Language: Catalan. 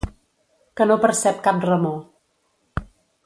Que no percep cap remor.